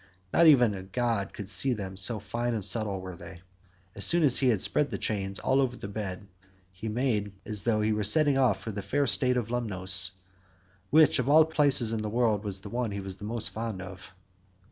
Not even a god could see them so fine and subtle were they. As soon as he had spread the chains all over the bed, he made as though he were setting out for the fair state of Lemnos, which of all places in the world was the one he was most fond of.